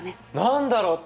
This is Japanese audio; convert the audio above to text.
何だろう？